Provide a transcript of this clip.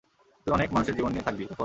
তুই অনেক মানুষের জীবন নিয়ে থাকবি, জাফর।